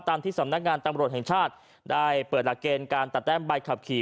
ที่สำนักงานตำรวจแห่งชาติได้เปิดหลักเกณฑ์การตัดแต้มใบขับขี่